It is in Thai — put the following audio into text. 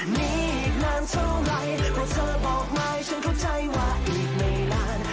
มีอีกนานเท่าไหร่ก็เธอบอกไว้ฉันเข้าใจว่าอีกไม่นาน